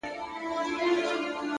هوډ د شکونو دیوالونه ماتوي